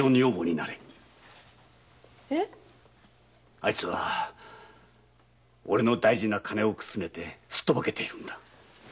あいつは俺の大事な金をくすねてすっとぼけているんだ！